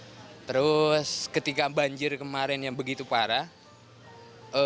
dan terus ketika banjir kemarin yang begitu parah